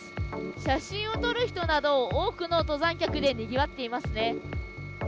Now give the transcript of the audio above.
写真を撮る人など、多くの登山客でにぎわっていますね。